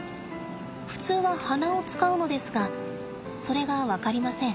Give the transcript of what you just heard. ふつうは鼻を使うのですがそれが分かりません。